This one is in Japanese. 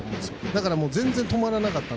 だから、全然止まらなかった。